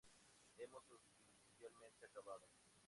Hemos oficialmente acabado.